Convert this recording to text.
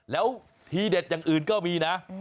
แล้วทีเด็ดอย่างอื่นก็มีนะ